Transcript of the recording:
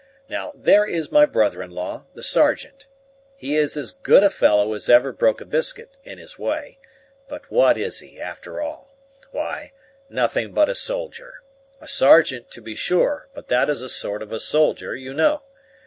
Now, there is my brother in law, the Sergeant: he is as good a fellow as ever broke a biscuit, in his way; but what is he, after all? Why, nothing but a soldier. A sergeant, to be sure, but that is a sort of a soldier, you know.